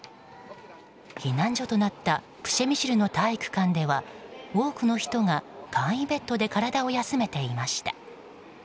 避難所となったプシェミシルの体育館では多くの人が簡易ベッドで体を休めていました。